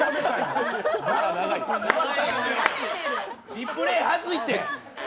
リプレー、はずいって。